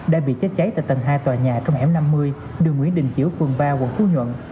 đã bị cháy cháy tại tầng hai tòa nhà trong ẻm năm mươi đường nguyễn đình chiểu quận ba quận phú nhuận